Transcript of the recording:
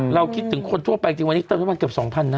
คิดถึงคนทั่วไปจริงวันนี้เติมน้ำมันเกือบ๒๐๐นะ